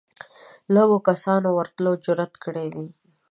لږو کسانو ورتلو جرئت کړی وي